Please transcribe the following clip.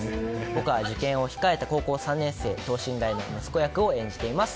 僕は受験を控えた高校３年生等身大の息子役を演じています。